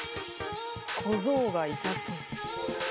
小僧が痛そう。